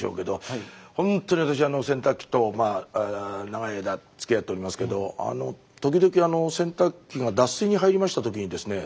ほんとに私洗濯機と長い間つきあっておりますけど時々洗濯機が脱水に入りましたときにですね